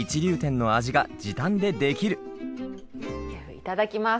いただきます。